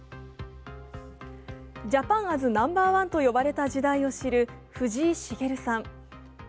ジャパン・アズ・ナンバーワンと呼ばれた時代を知る藤井滋さん。